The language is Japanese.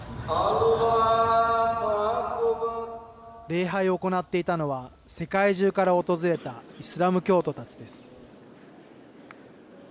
礼拝を行っていたのは世界中から訪れたイスラム教徒たちです。